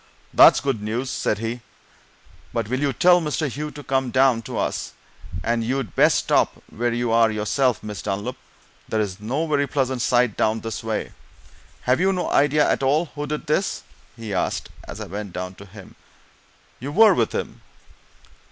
"That's good news!" said he. "But will you tell Mr. Hugh to come down to us? and you'd best stop where you are yourself, Miss Dunlop there's no very pleasant sight down this way. Have you no idea at all who did this?" he asked, as I went down to him. "You were with him?"